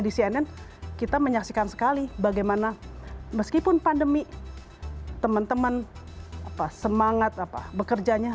di cnn kita menyaksikan sekali bagaimana meskipun pandemi teman teman apa semangat apa bekerjanya